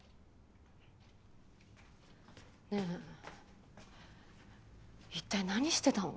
ねえ一体何してたの？